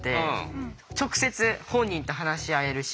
直接本人と話し合えるし。